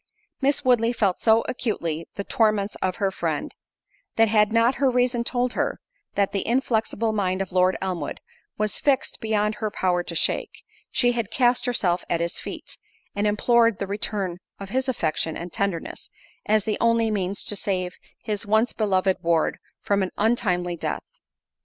Miss Woodley felt so acutely the torments of her friend, that had not her reason told her, that the inflexible mind of Lord Elmwood, was fixed beyond her power to shake, she had cast herself at his feet, and implored the return of his affection and tenderness, as the only means to save his once beloved ward from an untimely death.